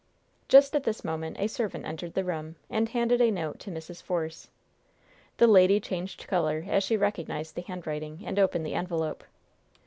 Just at this moment a servant entered the room, and handed a note to Mrs. Force. The lady changed color as she recognized the handwriting, and opened the envelope.